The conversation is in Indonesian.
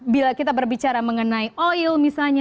bila kita berbicara mengenai oil misalnya